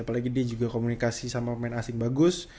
apalagi dia juga komunikasi sama pemain asing bagus